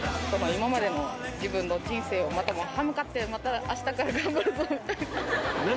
今までの自分の人生をまたはむかってあしたから頑張るぞみたいな。